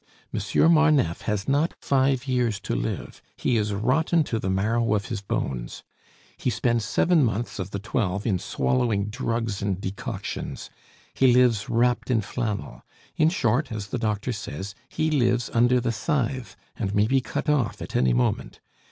Monsieur Marneffe has not five years to live; he is rotten to the marrow of his bones. He spends seven months of the twelve in swallowing drugs and decoctions; he lives wrapped in flannel; in short, as the doctor says, he lives under the scythe, and may be cut off at any moment.